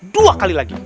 dua kali lagi